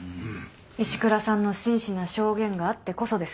石倉さんの真摯な証言があってこそです。